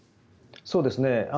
そうですね。